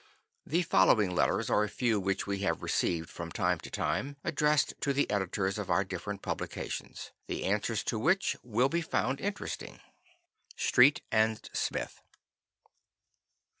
The following letters are a few which we have received from time to time, addressed to the editors of our different publications, the answers to which will be found interesting. Street & Smith.